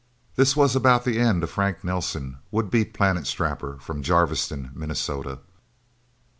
This was about the end of Frank Nelsen, would be Planet Strapper from Jarviston, Minnesota.